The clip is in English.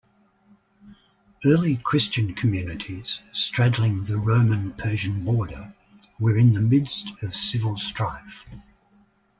Early Christian communities straddling the Roman-Persian border were in the midst of civil strife.